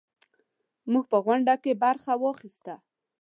موږ په غونډه کې برخه واخیسته.